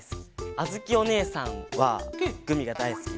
あづきおねえさんはグミがだいすきで。